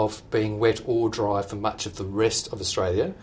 dari kondisi terburuk atau hangat di seluruh negara lain di australia